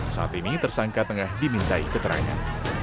saat ini tersangka tengah dimintai keterangan